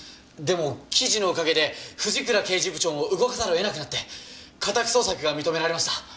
でも記事のおかげで藤倉刑事部長も動かざるを得なくなって家宅捜索が認められました。